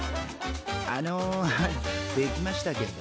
あのできましたけど。